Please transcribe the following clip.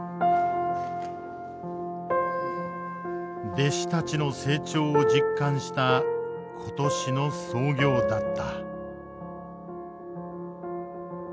弟子たちの成長を実感した今年の操業だった。